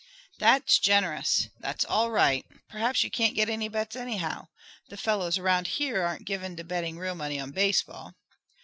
"That's generous; that's all right. Perhaps you can't get any bets, anyhow. The fellows around here aren't given to betting real money on baseball."